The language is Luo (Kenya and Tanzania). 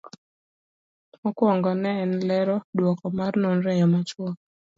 Mokwongo, ne en lero duoko mar nonro e yo machuok